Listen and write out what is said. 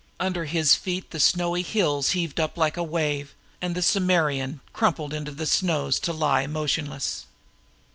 Under his feet the snowy hills heaved up like a wave, and the Akbitanan crumpled into the snows to lie motionless.